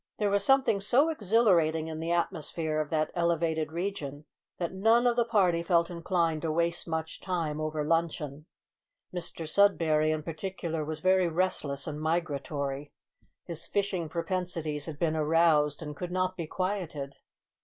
There was something so exhilarating in the atmosphere of that elevated region that none of the party felt inclined to waste much time over luncheon. Mr Sudberry, in particular, was very restless and migratory. His fishing propensities had been aroused, and could not be quieted.